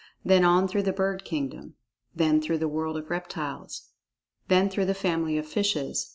Then on through the bird kingdom. Then through the world of reptiles. Then through the family of fishes.